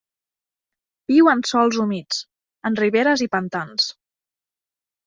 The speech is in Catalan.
Viu en sòls humits, en riberes i pantans.